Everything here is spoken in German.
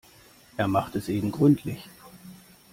Er macht es eben gründlich.